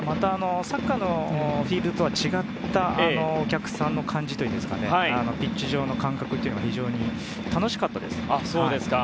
サッカーのフィールドとは違ったお客さんの感じといいますかピッチ上の感覚というのは非常に楽しかったですね。